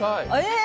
え⁉